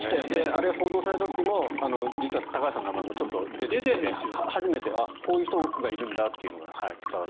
あれが報道された時も実は高橋さんの名前もちょっと出てきていて初めてこういう人がいるんだというのが伝わったと。